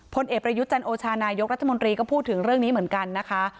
พลเอกประยุทธ์จันโอชานายกรัฐมนตรีก็พูดถึงเรื่องนี้เหมือนกันนะคะ